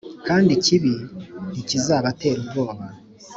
kandi ikibi ntikizabatera ubwoba.